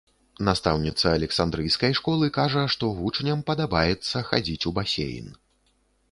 Настаўніца александрыйскай школы кажа, што вучням падабаецца хадзіць у басейн.